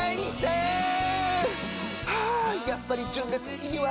はぁやっぱり純烈いいわ！